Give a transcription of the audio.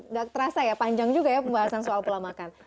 nggak terasa ya panjang juga ya pembahasan soal pola makan